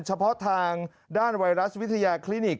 เฉพาะทางด้านไวรัสวิทยาคลินิก